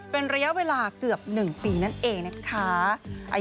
เป็นระยะเวลาเกือบ๑ปีนั่นเองนะคะ